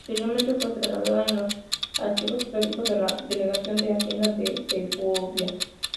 Posteriormente fue trasladada a los Archivos Históricos de la Delegación de Hacienda de Segovia.